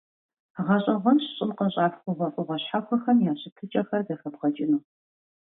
ГъэщӀэгъуэнщ щӀым къыщӀах хъугъуэфӀыгъуэ щхьэхуэхэм я щытыкӀэхэр зэхэбгъэкӀыну.